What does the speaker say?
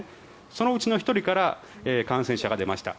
そのうちの１人から感染者が出ました